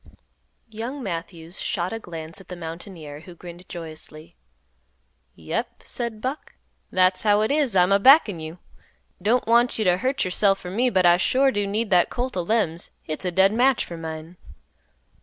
Young Matthews shot a glance at the mountaineer, who grinned joyously. "Yep," said Buck, "that's how it is; I'm a backin' you. Don't want you t' hurt yourself for me, but I sure do need that colt o' Lem's; hit's a dead match for mine."